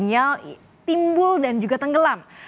sinyal timbul dan juga tenggelam